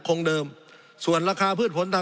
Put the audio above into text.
สงบจนจะตายหมดแล้วครับ